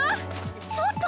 ちょっと！